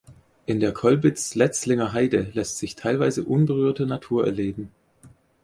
In der Colbitz-Letzlinger Heide lässt sich teilweise unberührte Natur erleben.